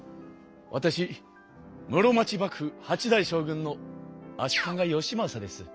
わたし室町幕府８代将軍の足利義政です。